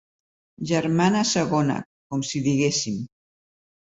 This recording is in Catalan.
Germana segona, com si diguéssim.